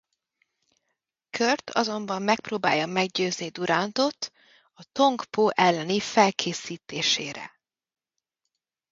Kurt azonban megpróbálja meggyőzni Durand-ot a Tong Po elleni felkészítésére.